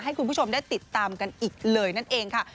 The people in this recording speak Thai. ให้คุณผู้ชมได้ติดตามกันอีกเลยนั่นเองค่ะ